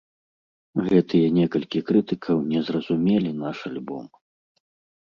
Гэтыя некалькі крытыкаў не зразумелі наш альбом.